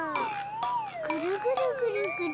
ぐるぐるぐるぐる。